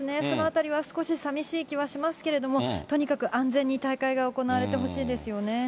そのあたりは少しさみしい気はしますけれども、とにかく安全に大会が行われてほしいですよね。